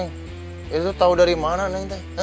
itu tau dari mana nek